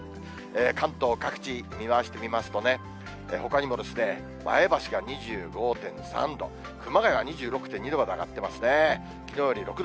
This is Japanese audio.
関東各地、見回してみますとね、ほかにも前橋が２５．３度、熊谷は２６．２度まで上がってますね。